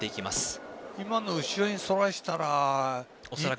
今の後ろにそらしたら。